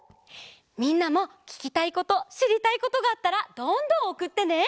みんなもききたいことしりたいことがあったらどんどんおくってね！